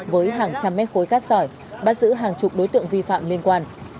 với hàng trăm mét khối cát sỏi bắt giữ hàng chục đối tượng vi phạm liên quan